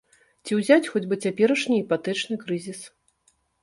Ці ўзяць хоць бы цяперашні іпатэчны крызіс.